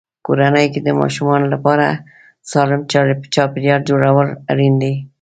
کورنۍ کې د ماشومانو لپاره سالم چاپېریال جوړول اړین دي.